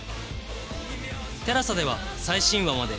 ＴＥＬＡＳＡ では最新話まで全話配信中